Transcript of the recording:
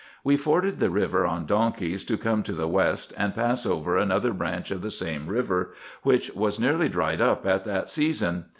We forded the river on donkeys to come to the west, and pass over another branch of the same river, which was nearly dried up at that season.